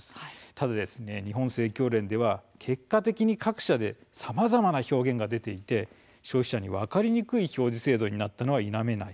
ただ生協連では結果的に各社でさまざまな表現が出ていて消費者に分かりにくい表示制度になったのは否めない。